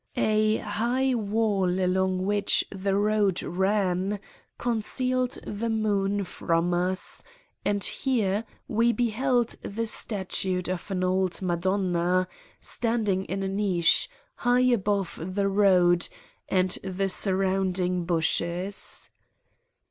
A high wall along which the road ran, concealed the moon from us and here we beheld the statue of an old Madonna, standing in a niche, high above the road and the surrounding bushes.